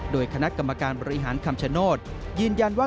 โดยคณะกรรมการบริหารคำชโนธยืนยันว่า